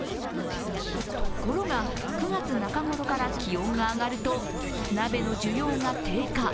ところが、９月中頃から気温が上がると鍋の需要が低下。